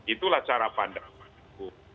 itulah cara pandang pbnu